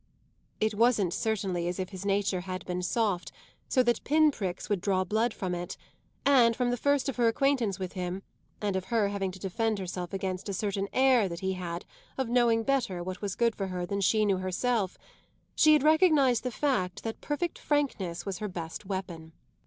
It wasn't certainly as if his nature had been soft, so that pin pricks would draw blood from it; and from the first of her acquaintance with him, and of her having to defend herself against a certain air that he had of knowing better what was good for her than she knew herself, she had recognised the fact that perfect frankness was her best weapon.